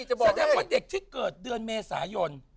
แสดงว่าเด็กที่เกิดเดือนเมษายน